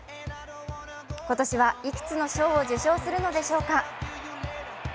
今年はいくつの賞を受賞するのでしょうか。